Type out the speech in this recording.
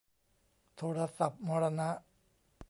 โทรศัพท์มรณะ